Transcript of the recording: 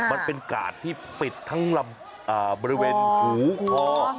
มันเป็นกาดที่ปิดทั้งบริเวณหูคอ